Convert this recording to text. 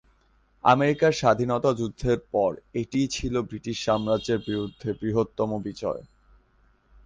আমেরিকার স্বাধীনতা যুদ্ধের পর এটিই ছিল ব্রিটিশ সাম্রাজ্যের বিরুদ্ধে বৃহত্তম বিজয়।